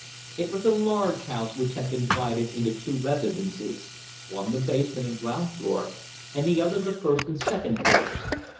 It was a large house which had been divided into two residences, one the basement and ground floor, and the other the first and second floors.